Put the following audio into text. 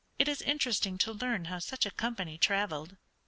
It is interesting to learn how such a company traveled.